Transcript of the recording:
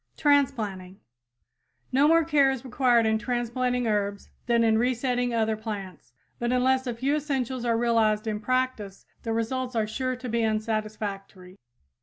TRANSPLANTING No more care is required in transplanting herbs than in resetting other plants, but unless a few essentials are realized in practice the results are sure to be unsatisfactory.